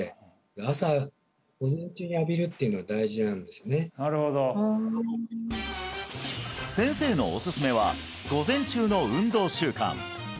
なるほどふん先生のおすすめは午前中の運動習慣